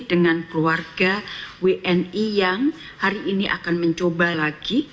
dengan keluarga wni yang hari ini akan mencoba lagi